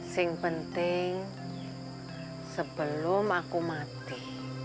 sing penting sebelum aku mati